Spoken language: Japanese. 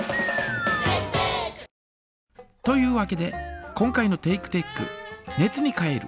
というわけで今回のテイクテック「熱に変える」